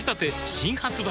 新発売